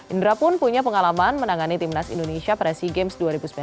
indra pun punya pengalaman menangani timnas indonesia pada sea games dua ribu sembilan belas